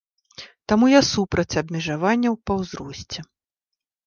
Таму я супраць абмежаванняў па ўзросце.